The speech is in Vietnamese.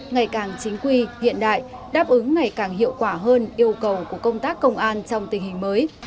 ngày càng chính quy hiện đại đáp ứng ngày càng hiệu quả hơn yêu cầu của công tác công an trong tình hình mới